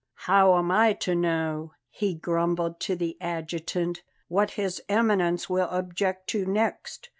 "How am I to know," he grumbled to the adjutant, "what His Eminence will object to next?